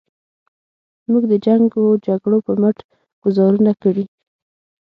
موږ د جنګ و جګړو په مټ ګوزارونه کړي.